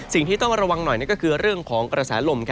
สิ่งที่ต้องระวังหน่อยก็คือเรื่องของกระแสลม